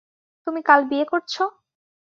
তুমি কাল বিয়ে করছো!